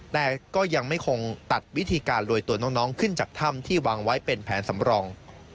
แต่ก็ยังไม่คงตัดวิธีการลวยตัวน้องขึ้นจากถ้ำที่วางไว้เป็นแผนสำรอง